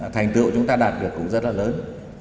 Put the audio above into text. thành tựu chúng ta đạt được cũng rất là lớn